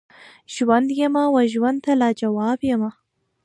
ژوند یمه وژوند ته لاجواب یمه